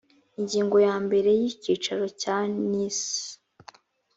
ingingo yambere icyicaro cya niss